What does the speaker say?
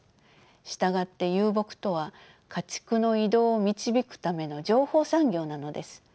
従って遊牧とは家畜の移動を導くための情報産業なのです。